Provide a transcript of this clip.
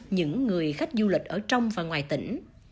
những người khách du lịch ở trong và ngoài tỉnh